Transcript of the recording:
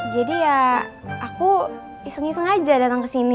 jadi ya aku iseng iseng aja datang kesini